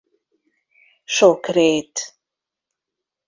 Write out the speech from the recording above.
Sok rét.